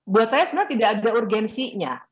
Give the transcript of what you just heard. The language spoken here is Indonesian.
buat saya sebenarnya tidak ada urgensinya